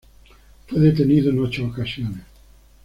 Fue detenido en ocho ocasiones.